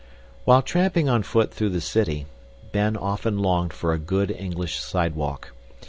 While tramping on foot through the city, Ben often longed for a good English sidewalk.